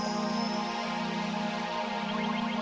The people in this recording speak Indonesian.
sebelum kamu tersesat lebih jauh